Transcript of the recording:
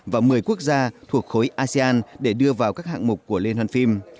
và một mươi quốc gia thuộc khối asean để đưa vào các hạng mục của liên hoàn phim